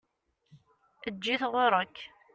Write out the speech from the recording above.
Eǧǧ-it ɣuṛ-k!